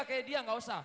kayak dia gak usah